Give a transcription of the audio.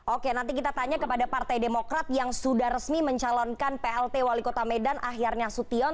oke nanti kita tanya kepada partai demokrat yang sudah resmi mencalonkan plt wali kota medan akhir nasution